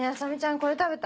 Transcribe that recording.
これ食べた？